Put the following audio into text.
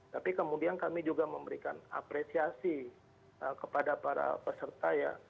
tapi kemudian kami juga memberikan apresiasi kepada para peserta ya